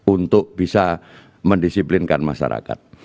untuk bisa mendisiplinkan masyarakat